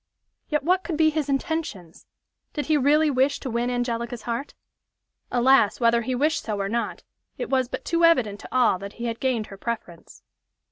Yet, what could be his intentions? Did he really wish to win Angelica's heart? Alas! whether he wished so or not, it was but too evident to all that he had gained her preference.